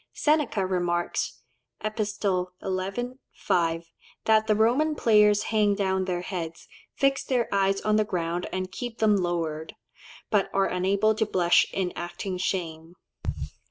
Seneca remarks (Epist. xi. 5) "that the Roman players hang down their heads, fix their eyes on the ground and keep them lowered, but are unable to blush in acting shame."